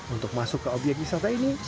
untuk masuk ke obyek wisata ini